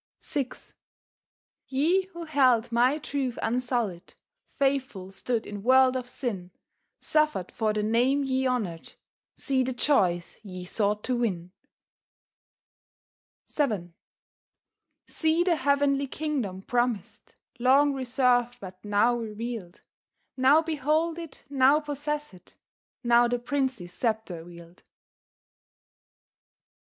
VI "Ye who held My truth unsullied, Faithful stood in world of sin, Suffered for the name ye honoured, See the joys ye sought to win. VII "See the heavenly kingdom promised, Long reserved, but now revealed; Now behold it, now possess it, Now the princely sceptre wield."